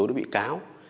đối với bị cáo